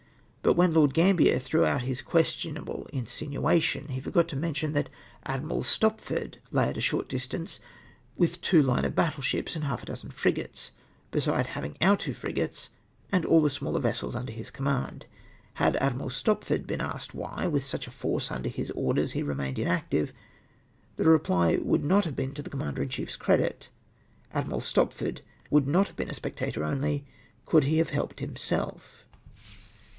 But wdien Lord Gambier threw out this questionable insinuation, he forgot to mention that Admiral Stopford lay at a short distance with two hne of battle ships and half a dozen frigates, besides having our two frigates and aU the smaller vessels under his command. Had Admiral Stopford been asked why, with such a force under his orders, he remained inactive, the reply would have not been to the Commander in chief's credit. Admiral Stopford would not have been a spectator only, could he have helped himself.